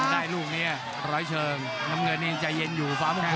ได้ลูกร้อยเชิงน้ำงื่นเนินเจาะเย็นอยู่ฟ้ามงคล